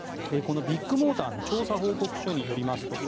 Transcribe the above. ビッグモーターの調査報告書によりますと